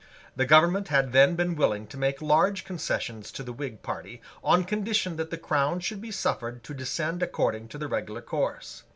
The government had then been willing to make large concessions to the Whig party, on condition that the crown should be suffered to descend according to the regular course.